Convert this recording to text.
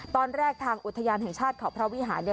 ตอนแรกทางอุทยานแห่งชาติเขาพระวิหารเนี่ย